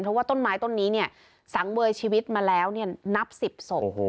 เพราะว่าต้นไม้ต้นนี้เนี่ยสังเวยชีวิตมาแล้วนับ๑๐ศพ